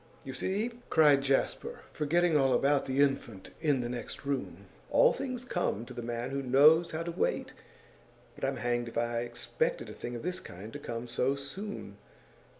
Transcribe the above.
you see!' cried Jasper, forgetting all about the infant in the next room, 'all things come to the man who knows how to wait. But I'm hanged if I expected a thing of this kind to come so soon!